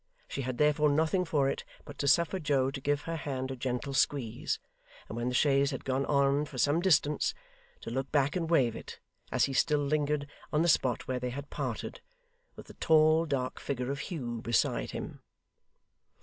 She had therefore nothing for it but to suffer Joe to give her hand a gentle squeeze, and when the chaise had gone on for some distance, to look back and wave it, as he still lingered on the spot where they had parted, with the tall dark figure of Hugh beside him.